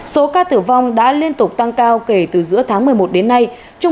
số ca tử vong đã liên tục tăng cao kể từ giữa tháng một mươi một đến nay